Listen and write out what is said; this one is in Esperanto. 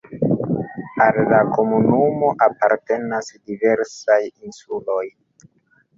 Al la komunumo apartenas diversaj insuloj.